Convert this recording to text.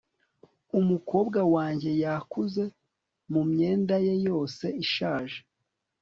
umukobwa wanjye yakuze mumyenda ye yose ishaje